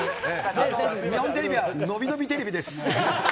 日本テレビはのびのびテレビです。